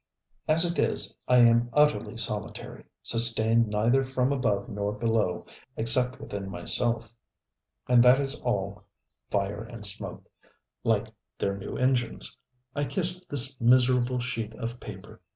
As it is, I am utterly solitary, sustained neither from above nor below, except within myself, and that is all fire and smoke, like their new engines. I kiss this miserable sheet of paper.